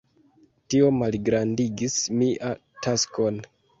Tio malgrandigis mia taskon.